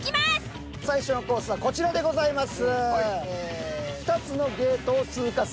最初のコースはこちらでございます。